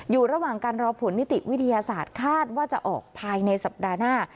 อยู่ระหว่างการรอผลนิติวิทยาศาสตร์คาดว่าจะออกภายในสัปดาห์หน้า